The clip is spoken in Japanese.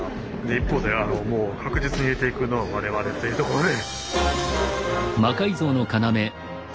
一方でもう確実に入れていくのは我々というところで。